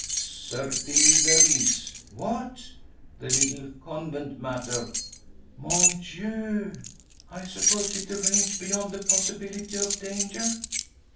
"Certainly there is." "What?" "That little convent matter." "Mon Dieu! I supposed it arranged beyond the possibility of danger."